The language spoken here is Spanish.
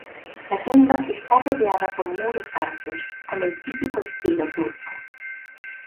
La tumba está rodeada por muros altos, con el típico estilo turco.